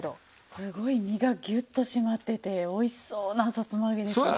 すごい身がギュッと締まってておいしそうなさつまあげですね。